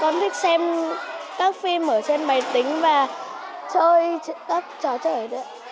con thích xem các phim ở trên máy tính và chơi các trò chơi